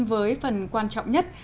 với phần quan trọng nhất